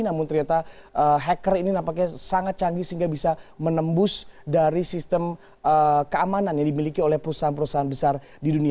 namun ternyata hacker ini nampaknya sangat canggih sehingga bisa menembus dari sistem keamanan yang dimiliki oleh perusahaan perusahaan besar di dunia